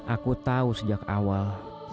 aku tahu sejak awal